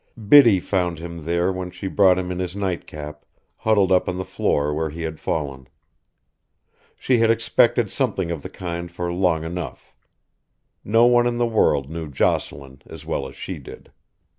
Biddy found him there when she brought him in his nightcap, huddled up on the floor where he had fallen. She had expected something of the kind for long enough. No one in the world knew Jocelyn as well as she did.